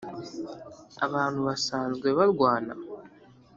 abantu basanzwe barwana?